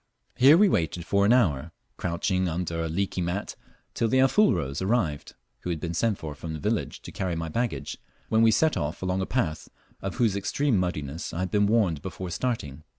Here we waited for an hour, crouching under a leaky mat till the Alfuros arrived who had been sent for from the village to carry my baggage, when we set off along a path of whose extreme muddiness I had been warned before starting.